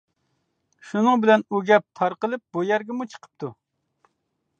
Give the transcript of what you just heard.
شۇنىڭ بىلەن ئۇ گەپ تارقىلىپ بۇ يەرگىمۇ چىقىپتۇ.